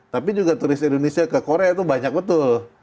tapi juga turis indonesia ke korea itu banyak betul